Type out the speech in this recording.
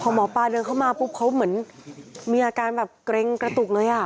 พอหมอปลาเดินเข้ามาปุ๊บเขาเหมือนมีอาการแบบเกร็งกระตุกเลยอ่ะ